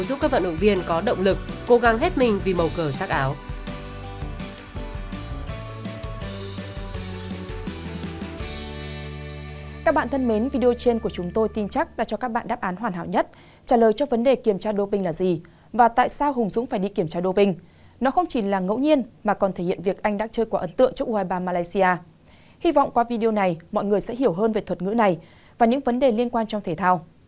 giúp các vận động viên có động lực cố gắng hết mình vì mầu cờ sắc áo